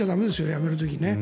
辞める時に。